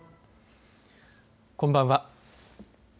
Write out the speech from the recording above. こんばんは。